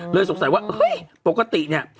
เลยสงสัยว่าโปรกติเนี่ย